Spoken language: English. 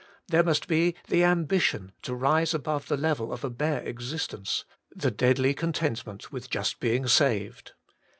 There must be the ambition to rise above the level of a bare existence, the deadly contentment with just being saved.